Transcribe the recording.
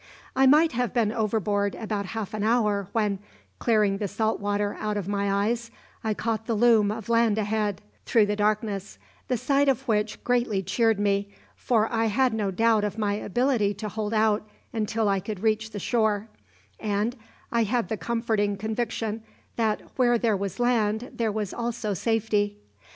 "I might have been overboard about half an hour when, clearing the salt water out of my eyes, I caught the loom of land ahead, through the darkness, the sight of which greatly cheered me, for I had no doubt of my ability to hold out until I could reach the shore, and I had the comforting conviction that where there was land there was also safety.